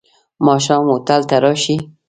ماښام هوټل ته راشې.